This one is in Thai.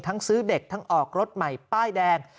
ซื้อเด็กทั้งออกรถใหม่ป้ายแดง